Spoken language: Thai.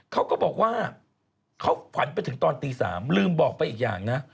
เขาก็บอกว่าเขาฝันไปถึงตอนตี๓ลืมบอกไปอีกอย่างนะ